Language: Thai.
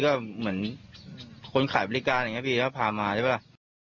ก็เหมือนคนขายบริการอย่างนี้พี่ก็พามาใช่ป่ะ